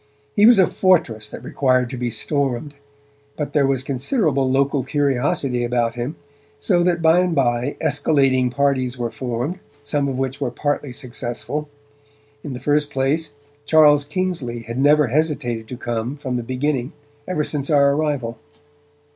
He was a fortress that required to be stormed, but there was considerable local curiosity about him, so that by and by escalading parties were formed, some of which were partly successful. In the first place, Charles Kingsley had never hesitated to come, from the beginning, ever since our arrival.